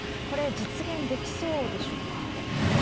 これ、実現できそうでしょうか。